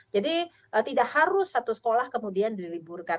jadi tidak harus satu sekolah kemudian diliburkan